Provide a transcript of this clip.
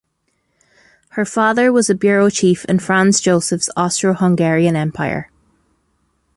Her father was a bureau chief in Franz Joseph's Austro-Hungarian Empire.